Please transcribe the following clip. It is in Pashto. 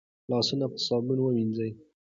لاسونه په صابون ووينځئ